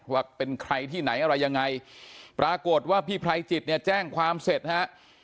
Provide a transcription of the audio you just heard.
ว่าเป็นใครที่ไหนอะไรยังไงปรากฏว่าพี่ไพรจิตเนี่ยแจ้งความเสร็จฮะ